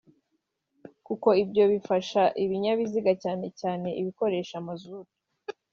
kuko ibyo bifasha ibinyabiziga cyane cyane ibikoresha mazutu